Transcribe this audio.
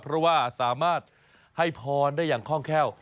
เพราะว่าสามารถให้พรได้อย่างคล่องแคล่ว